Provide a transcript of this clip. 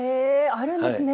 あるんですね